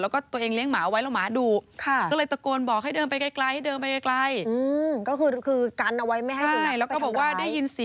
แล้วก็ตัวเองเลี้ยงหมาเอาไว้แล้วหมาดุ